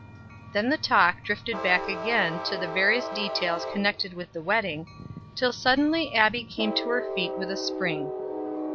Then the talk drifted back again to the various details connected with the wedding, until suddenly Abbie came to her feet with a spring.